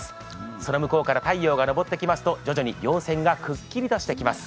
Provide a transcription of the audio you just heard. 空向こうから太陽が昇ってきますと、徐々にりょう線がくっきりしてきます。